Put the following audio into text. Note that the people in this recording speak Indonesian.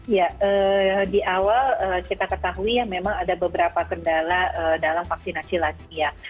ya di awal kita ketahui ya memang ada beberapa kendala dalam vaksinasi lansia